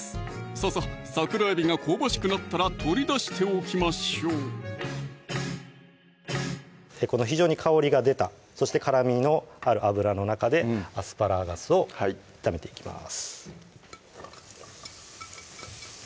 ささっ桜えびが香ばしくなったら取り出しておきましょうこの非常に香りが出たそして辛みのある油の中でアスパラガスを炒めていきます